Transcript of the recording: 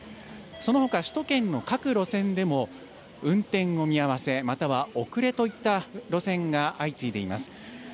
そのほか首都圏の各路線でも運転の見合わせ、または遅れといった路線が相次いでいます。